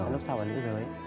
lúc sau là lúc bốn